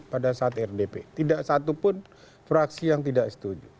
pada saat rdp tidak satupun fraksi yang tidak setuju